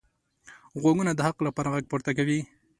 غوږونه د حق لپاره غږ پورته کوي